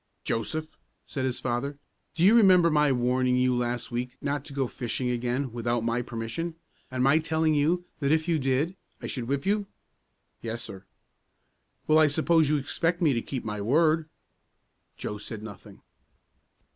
"Joseph," said his father, "do you remember my warning you last week not to go fishing again without my permission, and my telling you that if you did, I should whip you?" "Yes, sir." "Well, I suppose you expect me to keep my word?" Joe said nothing.